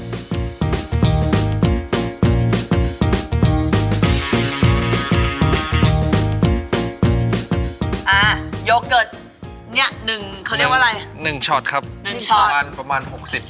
อ่าโยเกิร์ตเนี้ย๑เขาเรียกว่าอะไร๑ชอตครับ๑ชอตประมาณประมาณ๖๐